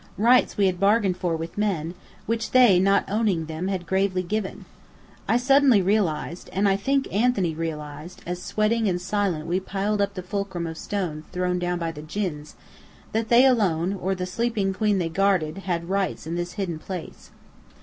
Rights we had bargained for with men, which they, not owning them, had gravely given! I suddenly realized, and I think Anthony realized, as sweating and silent we piled up the fulcrum of stones thrown down by the djinns, that they alone, or the sleeping queen they guarded, had "rights" in this hidden place.